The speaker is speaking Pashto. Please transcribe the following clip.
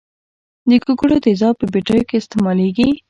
د ګوګړو تیزاب په بټریو کې استعمالیږي.